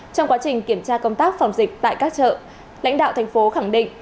trong quá trình kiểm tra công tác phòng dịch tại các chợ lãnh đạo thành phố khẳng định